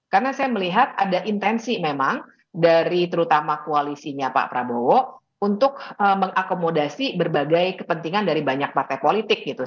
karena saya melihat ada intensi memang dari terutama koalisinya pak prabowo untuk mengakomodasi berbagai kepentingan dari banyak partai politik gitu